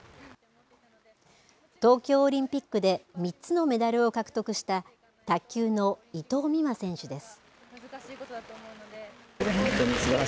東京オリンピックで３つのメダルを獲得した卓球の伊藤美誠選手です。